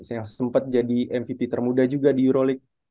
yang sempet jadi mvp termuda juga di euroleague